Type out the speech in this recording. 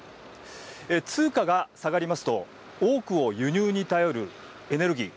通貨が下がりますと多くを輸入に頼るエネルギー。